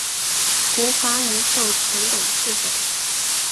国华人寿前董事长。